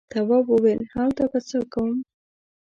تواب وويل: هلته به څه کوم.